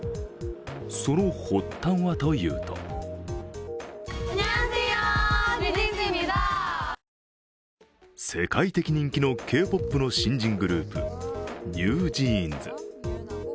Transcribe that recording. その発端はというと世界的人気のＫ−ＰＯＰの新人グループ、ＮｅｗＪｅａｎｓ。